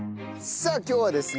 さあ今日はですね